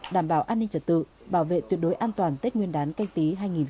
đảm bảo an ninh trật tự bảo vệ tuyệt đối an toàn tết nguyên đán canh tí hai nghìn hai mươi